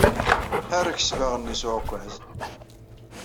Ḥerrek ssbaɣ-nni s uɛekkaz!